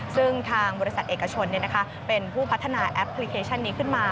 ซึ่งทางบริษัทเอกชนเป็นผู้พัฒนาแอปพลิเคชันนี้ขึ้นมา